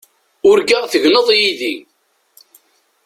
Urgaɣ tegneḍ yid-i.